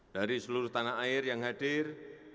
dari seluruh tanah air yang hadir